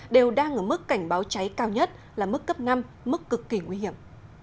đều đang ở mức cảnh báo cháy cao nhất là mức cấp năm mức cực kỳ nguy hiểm